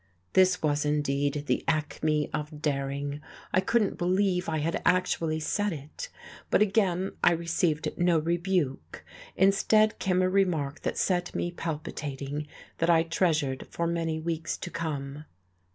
This was indeed the acme of daring. I couldn't believe I had actually said it. But again I received no rebuke; instead came a remark that set me palpitating, that I treasured for many weeks to come.